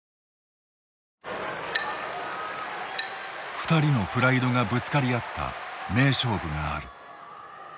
２人のプライドがぶつかり合った名勝負がある。